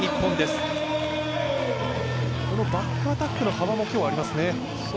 バックアタックの幅も今日はありますね。